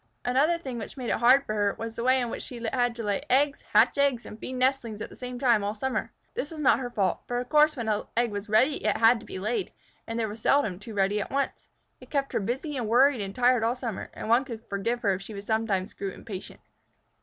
Another thing which made it hard for her, was the way in which she had to lay eggs, hatch eggs, and feed nestlings at the same time all summer. This was not her fault, for of course when an egg was ready it had to be laid, and there were seldom two ready at once. It kept her busy and worried and tired all summer, and one could forgive her if she sometimes grew impatient.